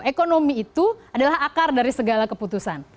ekonomi itu adalah akar dari segala keputusan